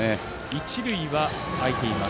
一塁は空いています。